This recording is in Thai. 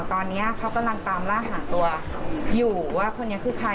ตอนนี้เขากำลังตามล่าหาตัวอยู่ว่าคนนี้คือใคร